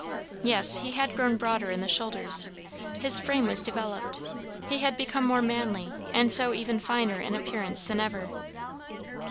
Yes, he had grown broader in the shoulders; his frame was developed; he had become more manly, and so even finer in appearance than ever.